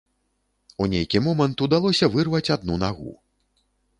У нейкі момант удалося вырваць адну нагу.